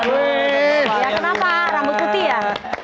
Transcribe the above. kenapa rambut putih ya